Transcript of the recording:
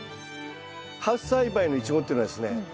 ハウス栽培のイチゴっていうのはですね